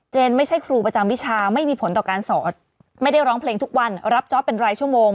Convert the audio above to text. ไม่ใช่ครูประจำวิชาไม่มีผลต่อการสอนไม่ได้ร้องเพลงทุกวันรับจ๊อปเป็นรายชั่วโมง